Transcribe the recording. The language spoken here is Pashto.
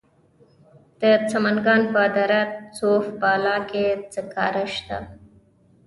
د سمنګان په دره صوف بالا کې سکاره شته.